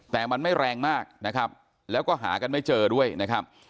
แต่มันไม่แรงมากนะครับแล้วก็หากันไม่เจอด้วยนะครับ